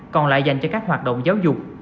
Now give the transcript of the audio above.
còn lại dành cho các hoạt động giáo dục